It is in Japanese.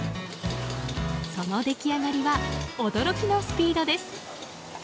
その出来上がりは驚きのスピードです。